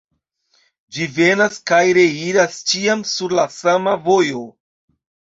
Ĝi venas kaj reiras ĉiam sur la sama vojo.